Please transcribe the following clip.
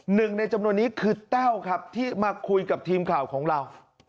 หนึ่งในจำนวนนี้คือแต้วครับที่มาคุยกับทีมข่าวของเรา